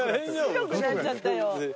白くなっちゃったよ。